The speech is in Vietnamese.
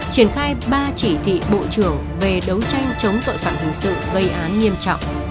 triển khai ba chỉ thị bộ trưởng về đấu tranh chống tội phạm hình sự gây án nghiêm trọng